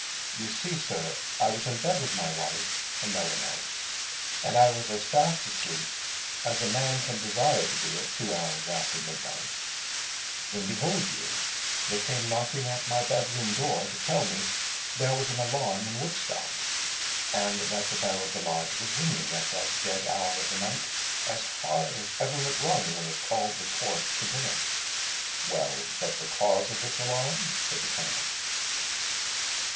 You see, sir, I was in bed with my wife, and no one else; and I was as fast asleep as a man can desire to be at two hours after midnight, when, behold you, they came knocking at my bedroom door, to tell me there was an alarm in Woodstock, and that the bell of the Lodge was ringing at that dead hour of the night as hard as ever it rung when it called the court to dinner." "Well, but the cause of this alarm?" said the Colonel.